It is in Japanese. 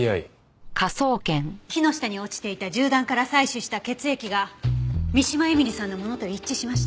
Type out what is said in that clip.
木の下に落ちていた銃弾から採取した血液が三島絵美里さんのものと一致しました。